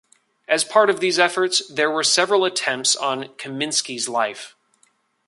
As a part of these efforts, there were several attempts on Kaminski's life.